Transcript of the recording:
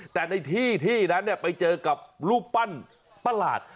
แต่ในที่นั้นเนี่ยไปเจอกับรูปปั้นประหลาด